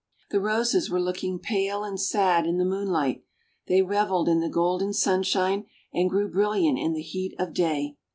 The Roses were looking pale and sad in the moonlight; they reveled in the golden sunshine and grew brilliant in the heat of day.